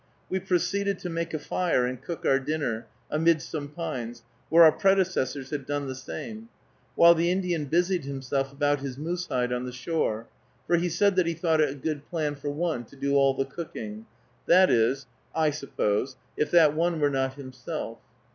We proceeded to make a fire and cook our dinner amid some pines, where our predecessors had done the same, while the Indian busied himself about his moose hide on the shore, for he said that he thought it a good plan for one to do all the cooking, i. e., I suppose, if that one were not himself.